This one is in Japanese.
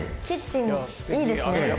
キッチンいいですね。